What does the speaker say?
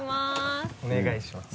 お願いします。